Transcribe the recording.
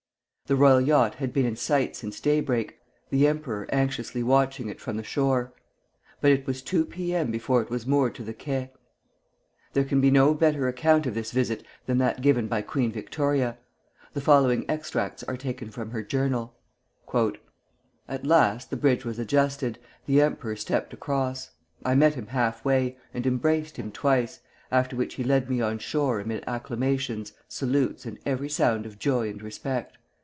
The royal yacht had been in sight since daybreak, the emperor anxiously watching it from the shore; but it was two P. M. before it was moored to the quai. There can be no better account of this visit than that given by Queen Victoria. The following extracts are taken from her journal: "At last the bridge was adjusted, the emperor stepped across. I met him half way, and embraced him twice, after which he led me on shore amid acclamations, salutes, and every sound of joy and respect.